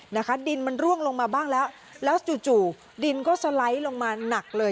นะคะดินมันร่วงลงมาบ้างแล้วแล้วจู่จู่ดินก็สไลด์ลงมาหนักเลย